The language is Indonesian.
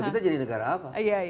kita jadi negara apa